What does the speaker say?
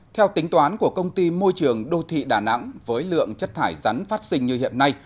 theo tính toán của công ty môi trường đô thị đà nẵng với lượng chất thải rắn phát sinh như hiện nay